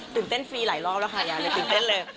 เต้นฟรีหลายรอบแล้วค่ะอย่าเลยตื่นเต้นเลย